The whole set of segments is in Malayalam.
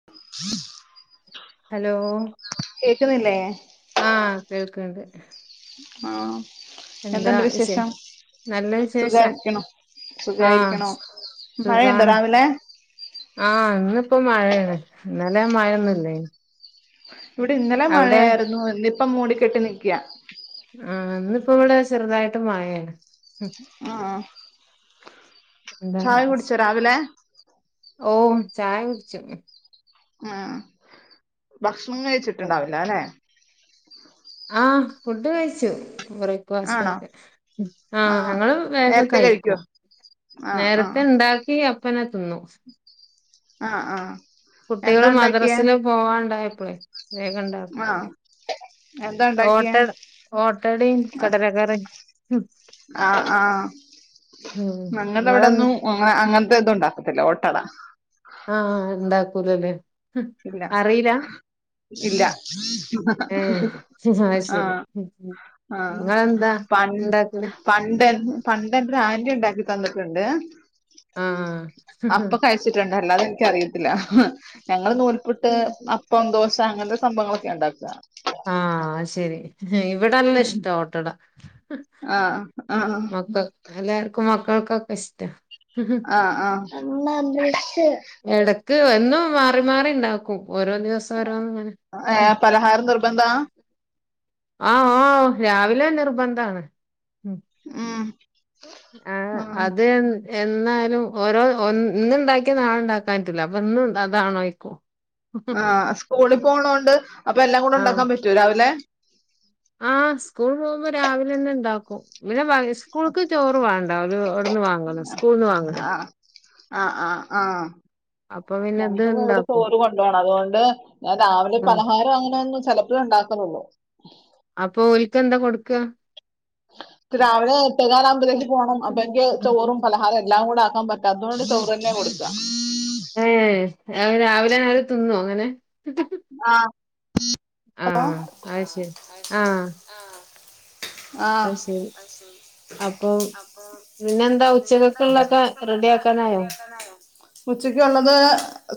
ഹം [inaudible] ഹലോ കേക്കുന്നില്ലേ ആഹ് കേൾക്ക്ണ്ട് ആഹ് എന്താ എന്തുണ്ട് വിശേ വിശേഷം? നല്ല വിശേഷം സുഖായിരിക്കണോ ആഹ് സുഖായിരിക്കണോ മഴണ്ടോ സുഖാണ് രാവിലെ ആഹ് ഇന്നിപ്പോ മഴാണ് ഇന്നലെ മഴയൊന്നുല്ലായിനിം ഇവിടെ ഇന്നലെ മഴയായിരുന്നു ഇന്നിപ്പം മൂടിക്കെട്ടി നിക്കയാ ആഹ് ഇന്നിപ്പോ ഇവിടെ ചെറുതായിട്ട് മഴയാ ആഹ് എന്താ ചായ കുടിച്ചോ രാവിലെ ഓഹ് ചായ കുടിച്ചു ആഹ് ഭക്ഷണം കഴിച്ചിട്ടുണ്ടാവില്ല അല്ലെ ആഹ് ഫുഡ് കഴിച്ചു കുറ ആണോ [unintelligible] ആഹ് ഞങ്ങള് വേഗം നേരത്തെ കഴിക്കോ കഴിക്കും ആഹ് നേരത്തെ ആഹ് ഉണ്ടാക്കി അപ്പനെ തിന്നും ആഹ് ആഹ് എന്താ കുട്ടികള് ഉണ്ടാക്കിയേ മദ്രസില് പോവാണ്ടായപ്പളെ വേഗം ഇണ്ടാക്കും ആഹ് ഉം എന്താ ഓട്ട ഉണ്ടാക്കിയേ ഓട്ടടേം കടല കറി ആഹ് ആഹ് ഞങ്ങടെ അവിടെ നിങ്ങള് ഒന്നും ആഹ് അങ്ങനത്തെ ഇതുണ്ടാക്കത്തില്ല ഒട്ടട ആഹ് ഇണ്ടാക്കൂല അല്ലെ ഇല്ല ഇല്ല ഏയ് അയ് ശരി ആഹ് ആഹ് നിങ്ങള് എന്താ പൺ ഉണ്ടാക്കല് പണ്ട് പണ്ടെന്റ ഒരു ആന്റി ഒണ്ടാക്കി തന്നിട്ടുണ്ട് ആഹ് അപ്പൊ കഴി - കഴിച്ചിട്ടുണ്ട് അല്ലാതെ എനിക്കറിയത്തില ഞങ്ങള് നൂൽപുട്ട് അപ്പം ദോശ- അങ്ങനത്തെ സംഭങ്ങളൊക്കെ ഉണ്ടാക്കുക ആ ശരി ഇവിടെ ആ ഇഷ്ട്ടം ഓട്ടട ആഹ് ആഹ് എല്ലാവർക്കും മക്കൾക്കെ ഇഷ്ട്ടവ ആഹ് ആഹ് അമ്മുമ്മേ ബ്രഷ് എടക്ക് എന്നും മാറി മാറി ഇണ്ടാക്കും ഓരോ ദെവസം ഓരോന്ന് ഇങ്ങനെ - ഏ പലഹാരം നിർബന്ധവാ ആഹാ ആഹാ ഓ രാവിലെ നിർബന്ധാണ് ഉം ആഹ് അത് എന്നാലും ഓരോ ഇന്ന് ഇണ്ടാക്കിയ നാള ഉണ്ടാക്കാൻ പറ്റില്ല അപ്പൊ ഇന്ന് ഉണ്ടാക്കാൻ നോക്കും ആ സ്കൂളിൽ പോണൊണ്ട് അപ്പൊ എല്ലാം കൂടെ ഒണ്ടാക്കാൻ പറ്റൂവോ രാവിലെ ആഹാ സ്കൂളിൽ പോകുമ്പോ രാവിലെ തന്നെ ഉണ്ടാക്കും ഇങ്ങനെ സ്കൂളക്ക് ചോറ് വേണ്ട ഓള് അവിടന്ന് വാങ്ങുവല്ലോ സ്കുളിന്ന് നിന്ന് വാങ്ങുവല്ലോ ആഹ് ആഹ് ആഹ് ആഹ് അപ്പൊ പിന്നെ ഇത് ഞങ്ങക്ക് ഇവിടെ ഇണ്ടാക്കും ചോറ് കൊണ്ടു പോണം അതുകൊണ്ട് ഞാൻ രാവിലെ പലഹാരം അങ്ങനെ ഒന്നും ചെല - ഇതേ ഉണ്ടാക്കുന്നുള്ളൂ അപ്പൊ ഓൾക്ക് എന്താ കൊടുക്കുക രാവിലെ എട്ടേ കാൽ ആവുമ്പോത്തിന് പോകണം അപ്പോ എനിക്ക് ചോറും പലഹാര എല്ലാം കൂടെ ആക്കാൻ പറ്റാത്തോണ്ട് ചോറ് തന്നെ കൊടുക്കുക ഏ രാവിലെ അവര് തിന്നുവോ അങ്ങനെ ആ ഹലോ ആഹ് അത് ആഹ് ശരി ആഹ് ആ അത് ശരി അപ്പൊ അപ്പൊ പിന്നെന്താ പിന്നെ എന്താ ഉച്ചക്കൊക്കുള്ളൊക്കെ റെഡി ഉച്ചക്കക്കുള്ളൊക്കെ ആക്കാനായോ റെഡി ആക്കാനായോ ഉച്ചക്ക്‌ ഉള്ളത്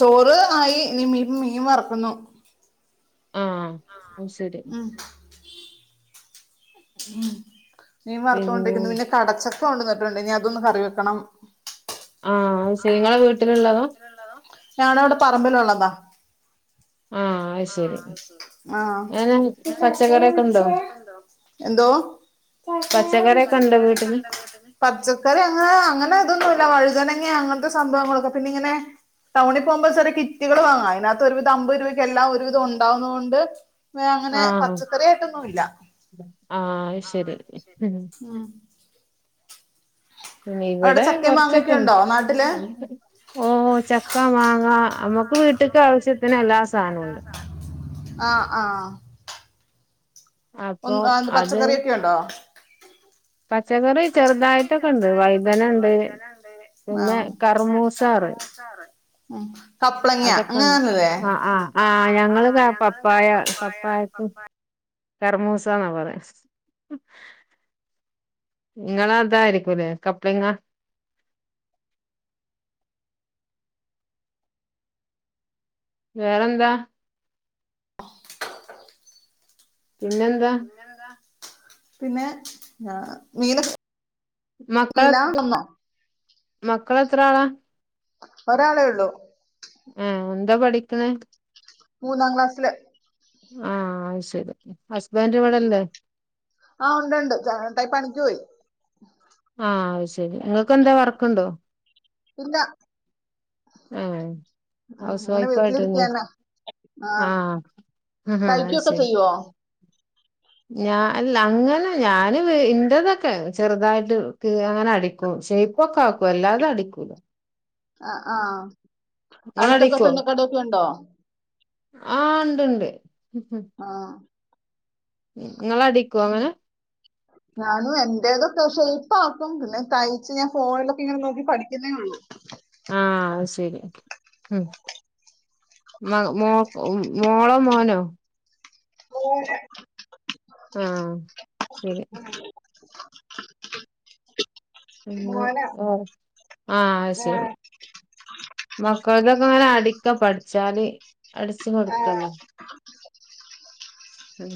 ചോറ് ആയി ഇനി മീൻ മീൻ വറുക്കുന്നു ആ അഹ് ശരി മീൻ വറത്തൊണ്ടിരിക്കുന്നു പിന്നെ കടച്ചൊക്കെ കൊണ്ടുന്നിട്ടുണ്ട് ഇനി അതൊന്ന് കറി വെക്കണം ആ സീങ്ങ [unintelligible] ളെ വീട്ടിലുള്ളതോ ഞങ്ങടെ അവിടെ പറമ്പിൽ ഉള്ളതാ ആഹ് അയ് ശരി ആ അങ്ങനെ പച്ചക്കറിയൊക്കെ ഉണ്ടോ എന്തോ പച്ചക്കറിയൊക്കെണ്ടോ വീട്ടില് പച്ചക്കറി അങ്ങനെ അങ്ങനെ ഇതൊന്നുമല്ല വഴുതനങ്ങ അങ്ങനത്തെ സംഭവങ്ങളൊക്കെ പിന്നെ ഇങ്ങനെ- ടവുണിൽ പോകുമ്പോൾ ചെറിയ കിറ്റികൾ വാങ്ങാം അതിനകത്ത് ഒരുവിധം അമ്പത് രൂപയ്ക്ക് എല്ലാം ഒരുവിധം ഉണ്ടാവുന്ന കൊണ്ട്- ഇപ്പോ അങ്ങനെ ആഹ് പച്ചക്കറായിട്ടൊന്നുല്ല ആഹ് അത് ശരി ഉം. അവിടെ ഇവിടെ ചക്കയും കൊറച്ചൊക്കെ മാങ്ങയൊക്കെ ഉണ്ടോ നാട്ടില് ഉണ്ട് ഓ ചക്ക മാങ്ങ നമ്മുക്ക് വീട്ടക്ക് ആവശ്യത്തിന് എല്ലാ സാധനവും ഒണ്ട് ആഹ് ആഹ് അപ്പൊ ഒന്ന് ആഹ് അത് പച്ചക്കറിയൊക്കെ ഉണ്ടോ? പച്ചക്കറി പച്ചക്കറി ചെറുതായിട്ടൊക്കെ ഉണ്ട് വഴുതന ചെറുതായിട്ടൊക്കെയുണ്ട് ഉണ്ട് വൈതനയുണ്ട് പിന്നെ പിന്നെ കർമൂസ പറയും കറുമൂസാറ് ഉം കപ്പ് അതൊക്കെ അഹ് ആഹ് ആഹ് ഞങ്ങള് പപ്പായ പപ്പായക്ക് കർമൂസന്നാ പറയുന്നേ നിങ്ങളതായിരിക്കൂല്ലേ കപ്പളങ്ങ വേറെന്താ പിന്നെന്താ പിന്നെ മീനൊക്കെ മക്കൾസ് മക്കളെത്ര ആളാ ഒരാളെയുള്ളൂ ആഹ് എന്താ പഠിക്കുന്നെ മൂന്നാം ക്ലാസ്സില് ആഹ് അത് ശരി ഹസ്ബൻഡ് ഇവിടല്ലേ ആഹ് ഉണ്ട് ഉണ്ട് ചേട്ടായി പണിക്ക് പോയി ആഹ് അത് ശരി നിങ്ങൾക്ക് എന്താ വർക്കുണ്ടോ ഇല്ല ഏ ഉം ഹൗസ് അങ്ങനെ വൈഫ് വെറുതെയിരിക്ക ആയിട്ടന്നെ തന്നെ ആ ആഹ് ആ തയിക്കുവൊക്കെ ചെയ്യുവോ ഞാൻ അല്ല അങ്ങനെ ഞാന് ഇന്റെതൊക്കെ ചെറുതായിട്ട് കീ അങ്ങനെ അടി ഷേപ്പൊക്കെ ആക്കും അല്ലാതെ അടിക്കൂല്ല ആഹ് ആഹ് നിങ്ങള് അടുത്തൊക്കെ തുന്നക്കടൊക്കെ ഉണ്ടോ ആഹ് ഉണ്ട്ഉണ്ട് ആഹ് നിങ്ങള് അടിക്കോ അങ്ങനെ ഞാനും എന്റേതൊക്കെ ഷേപ്പാക്കും പിന്നെ തയ്ച്ച് ഞാൻ ഫോണിലൊക്കെ ഇങ്ങനെ നോക്കി പഠിക്കുന്നേ ഉള്ളു ആഹ് ശരി ഉം മ മോ മോളോ മോനോ മോനാ ആഹ് ശരി ഉം ഓ ആഹ് ശരി മക്കളതൊക്കെ അങ്ങനെ അടിക്കാ പഠിച്ചാല് അടിച്ച് കൊടുക്കണ്ട ഉം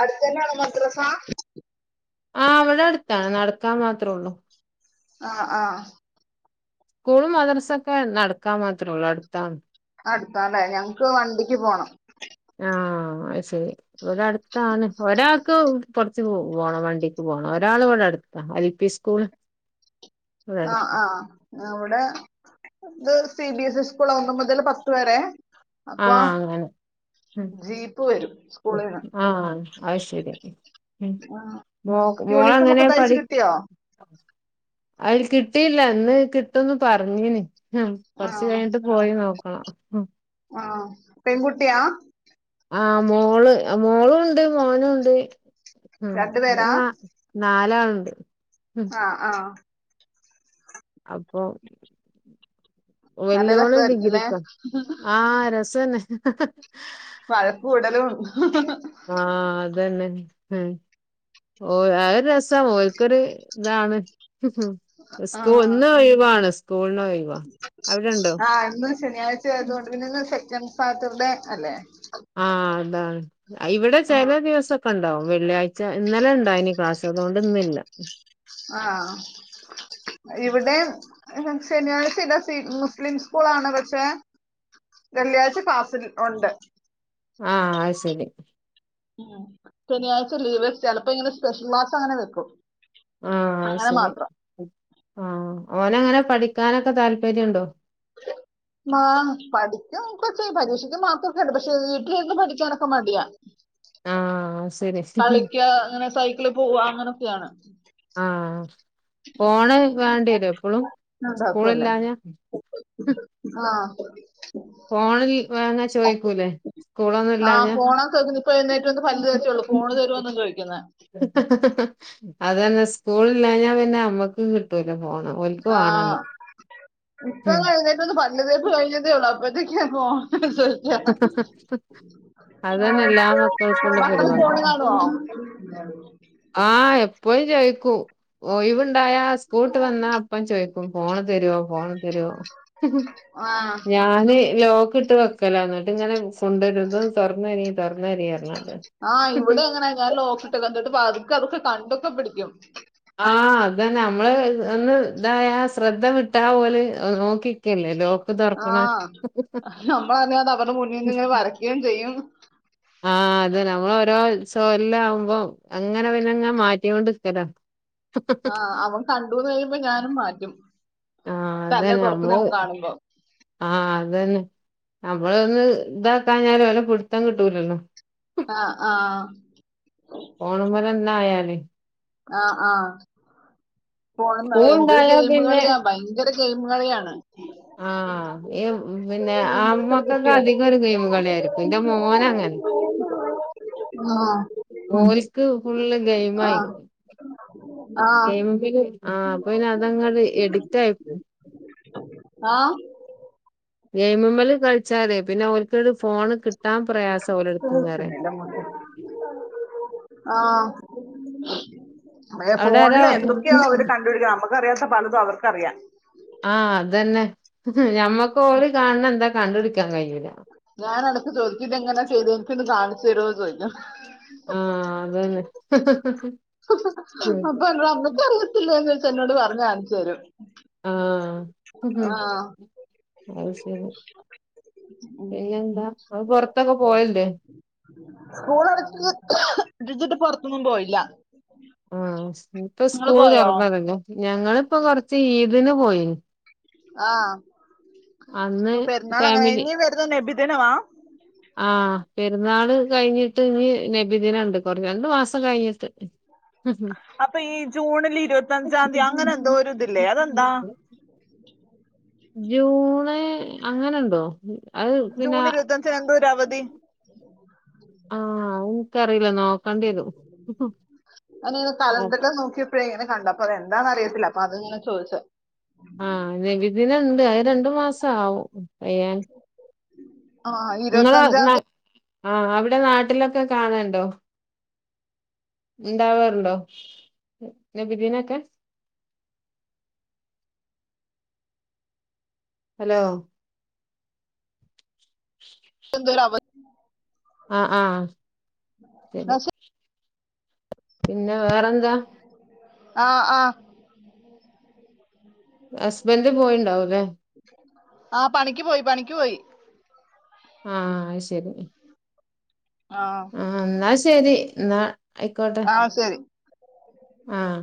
അടുത്തു തന്നാണോ മദ്രസ ആഹ് അവിടെ അടുത്താ നടക്കാൻ മാത്രമേ ഉള്ളൂ ആഹ് ആഹ് സ്കൂളും മദറസൊക്കെ നടക്കാ മാത്രേയുള്ളൂ അടുത്താ അടുത്താല്ലേ ഞങ്ങക്ക് വണ്ടിക്ക് പോണം ആഹ് അത് ശരി ഇവിടെ അടുത്താണ് ഒരാൾക്ക് കൊറച്ച് പോണം വണ്ടിക്ക് പോണം ഒരാൾ ഇവിടെ അടുത്ത് അൽ പി സ്കൂൾ ആഹ് ആഹ് അവിടെ ഇത് C B S E school ഒന്ന് മുതൽ പത്ത് വരെ അപ്പോ ആഹ് അങ്ങനെ ജീപ്പ് വരും സ്കൂളിന്ന് ആത് ശരി. ഉം. യൂണിഫോം മോളങ്ങനെ ഒക്കെ തയ്ച്ച് പഠി കിട്ടിയോ അയിൽ കിട്ടിയില്ല. ഇന്ന് കിട്ടുംന്ന് പറഞ്ഞീന്. ഉം ആ കൊറച്ച് കഴിഞ്ഞിട്ട് പോയി നോക്കണം ഉം ആഹ് പെങ്കുട്ടിയാ? ആഹ് മോള്. മോളുംണ്ട് മോനുംണ്ട്. ഉം രണ്ടുപേരാ [unintelligible] നാലാള്ണ്ട് ആഹ് ആഹ് അപ്പോ നല്ല വല്യോള് രസായിരിക്കും ല്ലേ ഡിഗ്രിക്കാ ആഹ് രസന്നേ വഴക്കൂടലും ആഹ് അതന്നെ ഉം ഓഹ് അതൊരു രസാ. ഓൽക്കൊരു ഇതാണ്. ആ സ്കൂൾ ഇന്ന് ഒയ് വാണ്. സ്കൂൾന് ഒയ് വാ. അവിടെണ്ടോ? ആ ഇന്ന് ശനിയാഴ്ച ആയതുകൊണ്ട് പിന്നേന്ന് സെക്കൻ് സാറ്റർടെ അല്ലേ? ആഹ് അതാണ് ഇവടെ ആ ചെല ദിവസൊക്കെണ്ടാവും. വെള്ളിയാഴ്ച ഇന്നലെണ്ടായ്നി. ക്ലാസ് അതോണ്ട് ഇന്നില്ല. ആഹ് ഇവിടെ ശനിയാഴ്ച ഇല്ല. സി മുസ്ലിം സ്കൂളാണ് പക്ഷേ. വെള്ളിയാഴ്ച ക്ലാസിൽ ഒണ്ട് അഹ് അത് ശരി ഉം ശനിയാഴ്ച ലീവ് ചെലപ്പോ ഇങ്ങനെ സ്പെഷ്യൽ ക്ലാസ് അങ്ങനെ വെക്കും. ആഹ് അത് അങ്ങനെ ശരി. മാത്രം ആഹ് ഓനങ്ങനെ പഠിക്കാനൊക്കെ താല്പര്യംണ്ടോ? മാ പഠിക്കും ഒക്കെ ചെയ്യും. പരീക്ഷക്ക് മാർക്കൊക്കണ്ട്. പക്ഷേ വീട്ടിലിരുന്ന് പഠിക്കാനൊക്കെ മടിയാ. ആഹ് അത് ശരി കളിക്കാ അങ്ങനെ സൈക്കിള് പോവാ അങ്ങനൊക്കെയാണ് ആഹ് ഫോണ് വേണ്ടിവരോ എപ്പളും. ഉണ്ടാക്കുമല്ലേ സ്കൂളില്ലാഞ്ഞാ. ആഹ് ഫോണിൽ വേങ്ങ ചോയ്ക്കൂലേ ആഹ് സ്കൂളൊന്നുംല്ലാഞ്ഞ ഫോണൊക്കെ വെക്കുന്നു ഇപ്പൊ എഴുന്നേറ്റ് വന്ന് പല്ല് തേച്ചേള്ളൂ ഫോണ് തരുവോന്ന് ചോദിക്കുന്നെ [inaudible] അതന്നെ സ്കൂളില്ലാഞ്ഞാ പിന്നെ അമ്മക്ക് കി കിട്ടൂല ഫോണ്. ഓൽക് വേണല്ലോ. ഉം തന് പല്ല് തേപ്പ് കഴിഞ്ഞതേ ഉളളൂ. അപ്പത്തേക്ക് ഫോണ് [unintelligible] ത സ അതന്നെ എല്ലാ മക്കൾക്കുള്ള മക്കള് പരുവാടി. ഫോണ് കാണുവോ ആഹ് എപ്പോഴും ചോയിക്കൂ. ഒയിവുണ്ടായാ സ്കൂൾട്ട് വന്നാ അപ്പം ചോയ്ക്കും. ഫോണ് തരോ ഫോണ് തരോ. ആഹ് ഞാന് ലോക്ക് ഇട്ട് വെക്കലാ. ന്നട്ട്ങ്ങന കൊണ്ടൊരു ഇതൊന്ന് തോർന്നരി. ആഹ് ഇവിടെ അങ്ങനാ ഞാൻ ലോക്ക്ട്ട്ക്കും. ന്നട്ട് പതുക്കെ അതൊക്കെ കണ്ടൊക്കെ പിടിക്കും. ആഹ് അതന്നെ. നമ്മള് ഒന്ന് ഇതായാ ശ്രദ്ധ വിട്ടാ ഓല് നോക്കി. ക്കെല്ലേ ലോക്ക് തൊ ആഹ് നമ്മളറിയാത അവരടേ മുന്നിന്ന്ങ്ങനെ വരയ്ക്കുകേം ചെയ്യും. ആഹ് അതെ. നമ്മൾ ഓരോ [unintelligible] ആവുമ്പ അങ്ങനെ പിന്നെങ്ങെ മാറ്റികൊണ്ടിക്കല്ലേ? ആഹ് അവൻ കണ്ടുന്ന് കഴിയുമ്പ ഞാനും മാറ്റും. ആ തന്നെ തൊറക്ക്‌ന്നേക്കെ കാണുമ്പോ. ആഹ് അതന്നെ നമ്മളൊന്ന് ഇതാക്കാഞ്ഞാല് ഓലെ പിടുത്തം കിട്ടൂല്ലല്ലോ. ആഹ് ആഹ് ഫോണിമലെന്നെ ആയാൽ ആഹ് ആഹ് പോണ എന്തൊരു സ്കൂളുണ്ടായാ ഗെയിമ പിന്നെ കളിയാ ഭയ കര ഗെയിമുകളിയാണ്. [inaudible] ആഹ് ഈ പിന്നെ ഇവിടുത്തത് ആമ്മക്കക്ക്‌ കിട്ടിയോ അധികരൊ ഗെയിം കളിയായിരിക്കും എന്റെ മോന അങ്ങനെ. ആ ഓൽക്ക് ഫുള്ള് ഗെയിം ആ ആയിരിക്കും. ആ ഗയിംൽ ആഹ് അപ്പൊ അതങ്ങ് എഡിക്റ്റ് ആയിപ്പോ ആഹ്. ഗെയിമ്മ്മല് കളിച്ചാലേ പിന്നെ ഓൽ ക് ഫോണ് കിട്ടാൻ പ്രയാസ. ആഹ്. അഹ് അവിടെ ആരോ ഫോണില് എന്തൊക്കെയാ അവര് കണ്ടുപിടിക്ക നമുക്കറിയാത്ത പലതും അവർക്കറിയാം. ആഹ് അതന്നെ ഞമ്മക്ക് ഓല് കാണണന്താ കണ്ടു പിടിക്കാൻ കഴിഞ്ഞില്ല. ഞാനടക്ക് ചോദിച്ചി ഇത് എങ്ങനെയാ ചെയ്ത എനക്ക് ഒന്ന് കാണിച്ചു തരൊന്ന് ചോദിക്കും ആഹ് അതന്നെ അതെ അമക്കറിയത്തില്ലന്ന് വെച്ച് എന്നോട് പറഞ് കാണിച്ച് തരും. ആഹ്. ആ അത് ശരി പിന്നെന്താ ഇങ്ങള് പൊറത്തൊക്കെ പോവല്ല്ലേ സ്കൂൾ അടച്ചിട്ട് പൊറത്തൊന്നും പോയില്ല. ആഹ് ഇപ്പ നിങ്ങൾ സ്കൂള് പോയോ തുറന്നല്ലോ ഞങ്ങളിപ്പ കൊറച്ച് ഈദിന് പോയി. ആഹ് അന്ന് ഓ പെരുന്നാളങ്ങന ഫാമിലി ഇനി വര്ന്നത് നബിദിനവാ. ആഹ് പെരുന്നാള് കഴിഞ്ഞിട്ട് ഇഞ്ഞ് നബിദിനണ്ട് കൊറ രണ്ടു മാസം കഴിഞ്ഞിട്ട്. അപ്പൊ ഈ ജൂണില് ഇരുപത്തഞ്ചാം തീയതി അങ്ങനെ എന്തോ ഒരു ഇതില്ലേ അതെന്താ ജൂണ് അങ്ങനെണ്ടോ. അത് പിന്നെ ജൂൺ ഇരുപത്തഞ്ച് എന്തോ ഒര് അവധി. ആഹ് അത്ഇന്ക്കറിയില്ല നോക്കണ്ടി വരും. അതിങ്ങനെ കലണ്ടറില് നോക്കിയപ്പോഴ ഇങ്ങനെ കണ്ടപ്പോ അതന്താന്നറിയത്തില്ല അപ്പൊ അത്ങ്ങന ചോദിച്ചത. ആഹ് നബിദിനണ്ട് അത് രണ്ടു മാസവും കയ്യാൻ. ആ ഇങ്ങള ഇരുപത്തഞ്ചാം തീയതി ആ അവിടെ നാട്ടിലൊക്കെ കാണൽണ്ടോ. ഇണ്ടവാറ്ണ്ടോ നബിദീനൊക്കെ. ഹലോ [inaudible] [unintelligible] ആഹ് ആഹ് ശരി. പിന്നെ വേറെന്താ. ആഹ് ആഹ് ഹസ്ബന്ഡ് പോയിണ്ടാവുംല്ലെ. ആഹ് പണിക്ക് പോയി പണിക്ക് പോയി. ആഹ് അത്ശരി. ആ ആഹ് ന്നാ ശെരി ന്നാ ആയിക്കോട്ടെ. ആഹ് ശരി ആഹ്.